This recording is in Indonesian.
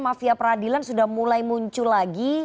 mafia peradilan sudah mulai muncul lagi